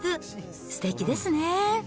すてきですね。